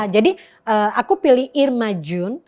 jadi aku pilih irma jun